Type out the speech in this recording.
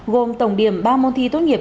gồm tổng điểm ba môn thi tốt nghiệp